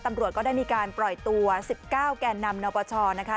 ตำรวจก็ได้มีการปล่อยตัว๑๙แก่นำนปชนะคะ